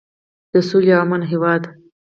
د سولې او امن هیواد.